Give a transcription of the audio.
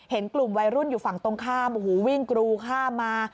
เห็นกลุ่มวัยรุ่นอยู่ฝั่งตรงข้ามโอ้โหวิ่งกรูข้ามมา